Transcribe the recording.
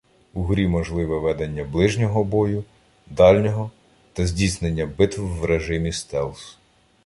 У грі можливе ведення ближнього бою, дальнього та здійснення битв в режимі стелс.